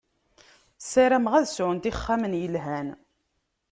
Sarameɣ ad sɛunt ixxamen yelhan.